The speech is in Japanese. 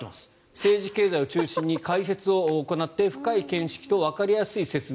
政治・経済を中心に解説を行って深い見識とわかりやすい説明。